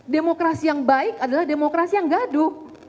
demokrasi yang baik adalah demokrasi yang gaduh